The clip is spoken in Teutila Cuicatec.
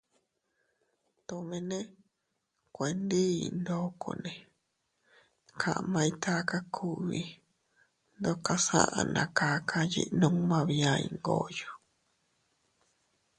Tomene kuendiy ndokone kamay taka kugbi ndokas aʼa na kaka yiʼi numma bia Iyngoyo.